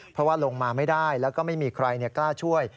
เพราะว่าลงมาไม่ได้แล้วก็ไม่มีใครกล้าช่วย